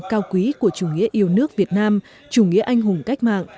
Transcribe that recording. cao quý của chủ nghĩa yêu nước việt nam chủ nghĩa anh hùng cách mạng